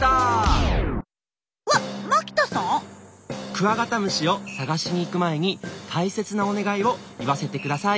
クワガタムシを探しに行く前に大切なお願いを言わせてください。